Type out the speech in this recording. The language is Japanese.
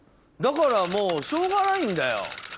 だからもうしょうがないんだよ。